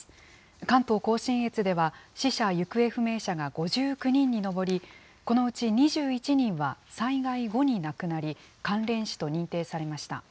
関東甲信越では、死者・行方不明者が５９人に上り、このうち２１人は災害後に亡くなり、関連死と認定されました。